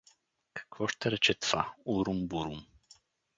— Какво ще рече това: урум бурум!